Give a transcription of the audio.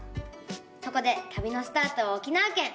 そこでたびのスタートは沖縄県。